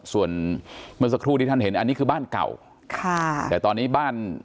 ส่วนเมื่อสักครู่ที่ท่านเห็นอันนี้คือบ้านเก่าค่ะแต่ตอนนี้บ้าน